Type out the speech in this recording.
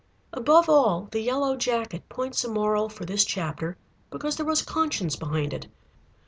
Above all, The Yellow Jacket points a moral for this chapter because there was conscience behind it.